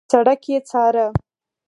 سړک يې څاره.